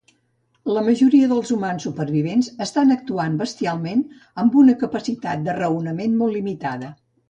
La majoria dels humans supervivents estan actuant bestialment amb una capacitat raonament molt limitada